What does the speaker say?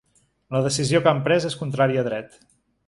La decisió que han pres és contrària a dret.